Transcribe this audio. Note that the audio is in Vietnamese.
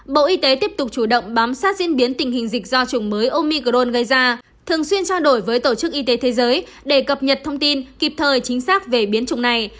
bộ y tế tiếp tục chủ động bám sát diễn biến tình hình dịch do chủng mới omicron gây ra thường xuyên trao đổi với tổ chức y tế thế giới để cập nhật thông tin kịp thời chính xác về biến chủng này